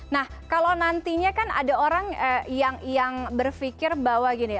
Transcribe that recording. nah kalau nantinya kan ada orang yang berpikir bahwa gini